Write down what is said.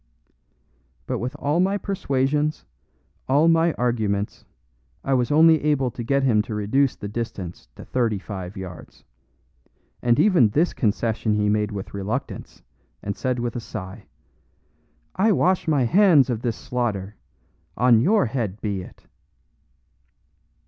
But with all my persuasions, all my arguments, I was only able to get him to reduce the distance to thirty five yards; and even this concession he made with reluctance, and said with a sigh, "I wash my hands of this slaughter; on your head be it."